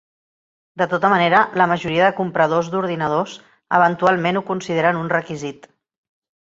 De tota manera, la majoria de compradors d'ordinadors eventualment ho consideren un requisit.